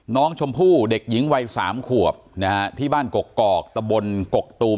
น้องชมพู่เด็กหญิงวัยสามขวบนะฮะที่บ้านกกอกตะบนกกตูม